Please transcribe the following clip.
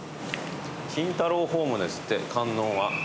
金太郎ホームですって観音は。